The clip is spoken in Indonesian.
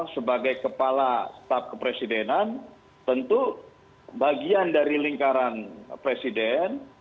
sebagai kepala staf kepresidenan tentu bagian dari lingkaran presiden